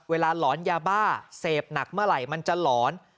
หลอนยาบ้าเสพหนักเมื่อไหร่มันจะหลอน